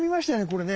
これね。